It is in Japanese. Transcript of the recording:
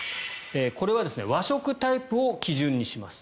これは和食タイプを基準にします。